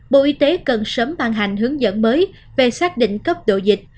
bộ y tế cần sớm ban hành hướng dẫn mới về xác định cấp độ dịch